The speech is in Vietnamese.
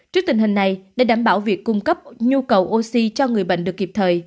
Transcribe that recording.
trước tình hình này để đảm bảo việc cung cấp nhu cầu oxy cho người bệnh được kịp thời